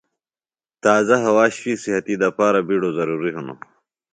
تازہ ہوا شُوئی صِحتی دپارہ بِیڈوۡ ضروری ہِنوۡ۔